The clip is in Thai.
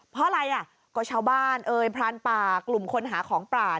เพราะอะไรอ่ะก็ชาวบ้านเอ่ยพรานป่ากลุ่มคนหาของป่า